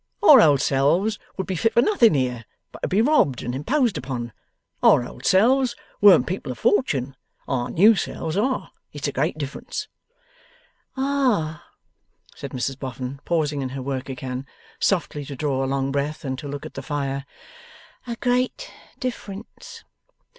Our old selves would be fit for nothing here but to be robbed and imposed upon. Our old selves weren't people of fortune; our new selves are; it's a great difference.' 'Ah!' said Mrs Boffin, pausing in her work again, softly to draw a long breath and to look at the fire. 'A great difference.